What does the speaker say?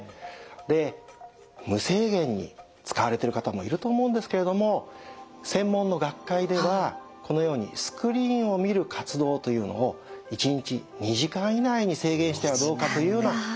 で無制限に使われてる方もいると思うんですけれども専門の学会ではこのようにスクリーンを見る活動というのを１日２時間以内に制限してはどうかというような提言もあります。